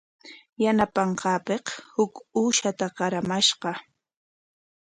Yanapanqaapik huk uushata qaramashqa.